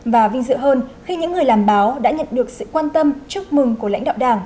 và vinh dự hơn khi những người làm báo đã nhận được sự quan tâm chúc mừng của lãnh đạo đảng